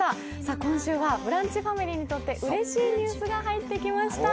今週はブランチファミリーにとってうれしいニュースが入ってきました。